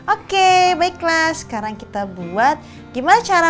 oke baiklah sekarang kita buat gimana cara menanam biji kacang hijau dengan baik